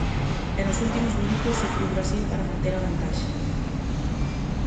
E nos últimos minutos sufriu Brasil para manter a vantaxe.